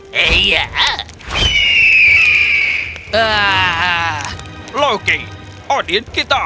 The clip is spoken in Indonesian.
berani sekali kau bicara seperti itu padaku